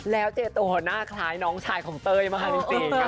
แล้วเจต์โด่งหน้าคล้ายน้องชายของเตยมากนิดสิ